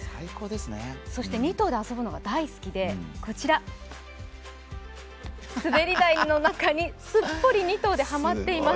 ２頭で遊ぶのが大好きでこちら、滑り台の中にすっぽり２頭でハマっています。